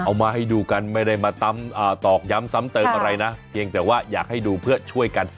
เอามาให้ดูกันไม่ได้มาตอกย้ำซ้ำเติมอะไรนะเพียงแต่ว่าอยากให้ดูเพื่อช่วยกัน